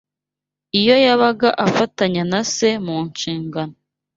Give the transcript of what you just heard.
Iyo yabaga afatanya na se mu nshingano